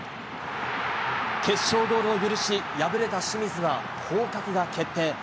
決勝ゴールを許し、敗れた清水は降格が決定。